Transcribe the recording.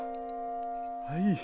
はい。